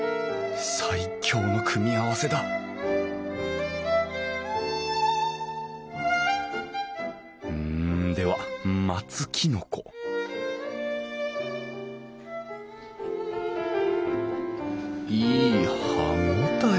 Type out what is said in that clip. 最強の組み合わせだんでは松きのこいい歯応え！